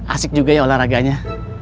asik juga ya olahraganya